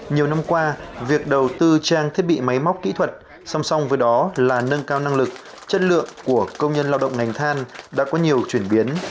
nhiều năm qua việc đầu tư trang thiết bị máy móc kỹ thuật song song với đó là nâng cao năng lực chất lượng của công nhân lao động ngành than đã có nhiều chuyển biến